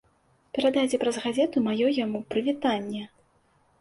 Перадайце праз газету маё яму прывітанне!